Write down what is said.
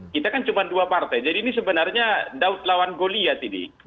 kita kan cuma dua partai jadi ini sebenarnya lawan goliat ini